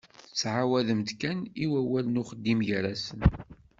Ttɛawaden-d kan i wawal n uxeddim gar-asen.